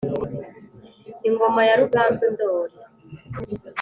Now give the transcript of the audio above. Ingoma ya Ruganzu ndori